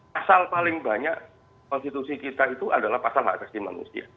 pasal paling banyak konstitusi kita itu adalah pasal hak asasi manusia